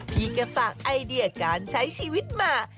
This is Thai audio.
พี่ก็ฝากไอเดียการใช้ชีวิตมา